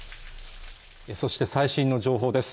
そして最新の情報です